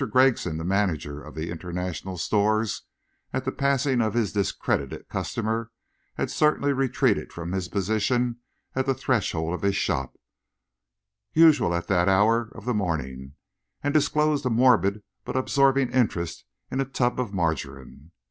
Gregson, the manager of the International Stores, at the passing of his discredited customer had certainly retreated from his position on the threshold of his shop, usual at that hour of the morning, and disclosed a morbid but absorbing interest in a tub of margarine.